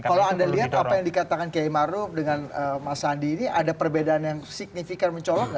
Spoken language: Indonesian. kalau anda lihat apa yang dikatakan kemaru dengan masa diri ada perbedaan yang signifikan mencolok